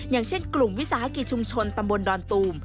อย่างเช่นกลุ่มวิสาหกิจชุมชนตำบลดอนตูม